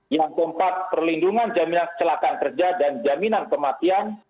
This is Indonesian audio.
yang keempat perlindungan jaminan kecelakaan kerja dan jaminan kematian